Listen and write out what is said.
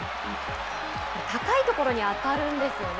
高い所に当たるんですよね。